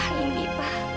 nah indi pa